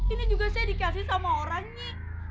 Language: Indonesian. ini juga saya dikasih sama orang nih